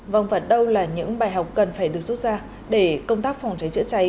vòng vật đâu là những bài học cần phải được rút ra để công tác phòng cháy chữa cháy